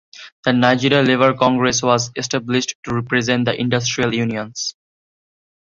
The Nigeria Labour Congress was established to represent the industrial unions.